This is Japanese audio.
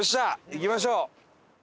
行きましょう！